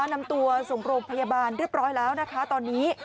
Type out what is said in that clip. นำตัวส่งโรงพยาบาลเรียบร้อยแล้วนะคะตอนนี้